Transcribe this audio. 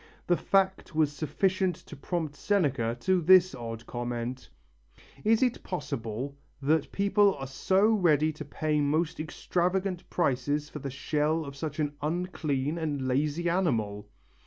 The fact was sufficient to prompt Seneca to this odd comment: "Is it possible that people are so ready to pay most extravagant prices for the shell of such an unclean and lazy animal!"